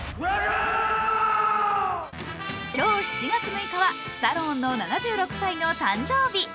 今日、７月６日はスタローンの７６歳の誕生日。